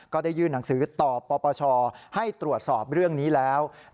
ก็ได้ยื่นหนังสือต่อปปชให้ตรวจสอบเรื่องนี้แล้ว